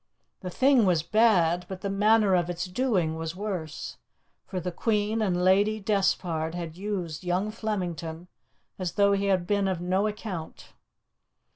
The thing was bad, but the manner of its doing was worse, for the Queen and Lady Despard had used young Flemington as though he had been of no account.